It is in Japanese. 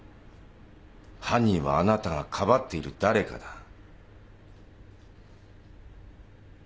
犯人はあなたが庇っている誰かだ。